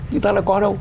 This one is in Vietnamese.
chúng ta là có đâu